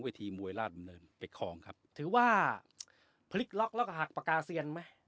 วิธีมวยราชเกภคลองครับถือว่าลอกหักปากาเสียรมั้ย